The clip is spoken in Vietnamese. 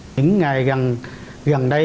những ngày gần đây